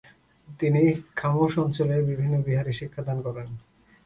তিনি খাম্স অঞ্চলের বিভিন্ন বিহারে শিক্ষাদান করেন।